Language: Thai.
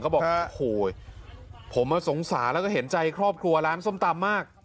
บอกโอ้โหผมสงสารแล้วก็เห็นใจครอบครัวร้านส้มตำมาก